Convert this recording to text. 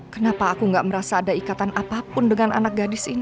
kenapa aku gak merasa ada ikatan apapun dengan anak gadis ini